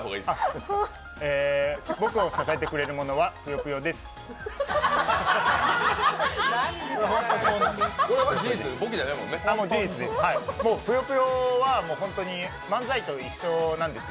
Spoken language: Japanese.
僕を支えてくれるものはぷよぷよです。